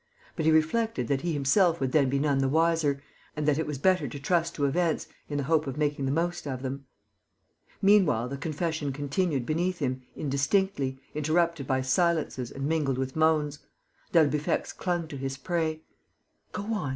But he reflected that he himself would then be none the wiser and that it was better to trust to events in the hope of making the most of them. Meanwhile the confession continued beneath him, indistinctly, interrupted by silences and mingled with moans. D'Albufex clung to his prey: "Go on!...